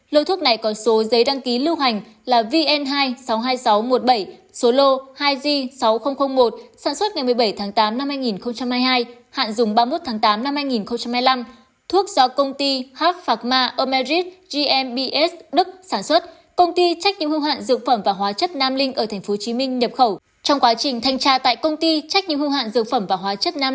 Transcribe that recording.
lô thuốc này có số giấy đăng ký lưu hành là vn hai sáu mươi hai nghìn sáu trăm một mươi bảy số lô hai g sáu nghìn một sản xuất ngày một mươi bảy tháng tám năm hai nghìn hai mươi hai hạn dùng ba mươi một tháng tám năm hai nghìn hai mươi năm